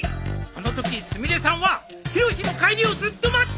あのときすみれさんはヒロシの帰りをずっと待っておったんじゃ。